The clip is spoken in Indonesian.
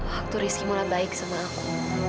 waktu rizki mulai baik sama aku